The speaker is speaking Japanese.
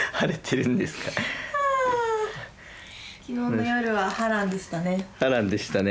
昨日の夜は波乱でしたね。